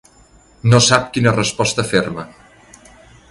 No sap quina resposta fer-me.